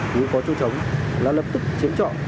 nếu có chỗ trống là lập tức chiếm chọn